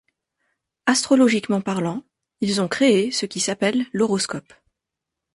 Astrologiquement parlant, ils ont créé ce qui s’appelle l’horoscope.